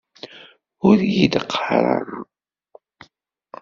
Ur iyi-d qqar ara!